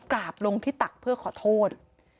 กราบลงที่ตักเพื่อขอโทษ